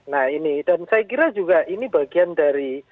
nah ini dan saya kira juga ini bagian dari